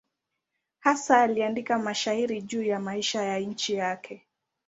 Hasa aliandika mashairi juu ya maisha ya nchi yake.